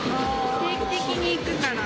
定期的に行くから。